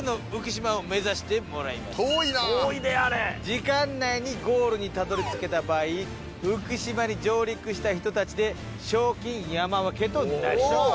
時間内にゴールにたどりつけた場合浮島に上陸した人たちで賞金山分けとなります。